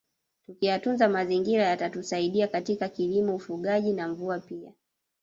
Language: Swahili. Tukiyatunza mazingira yatatusaidia katika kilimo ufugaji na mvua pia